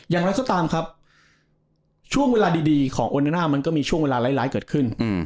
อย่างไรก็ตามครับช่วงเวลาดีของโอเนน่ามันก็มีช่วงเวลาร้ายเกิดขึ้น